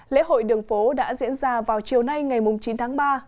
lễ hội đường phố đã diễn ra vào chiều nay ngày chín tháng ba